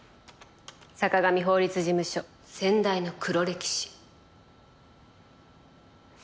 坂上法律事務所先代の黒歴史。